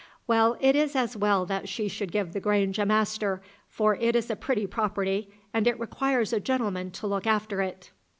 Well, it is as well that she should give the Grange a master, for it is a pretty property, and it requires a gentleman to look after it."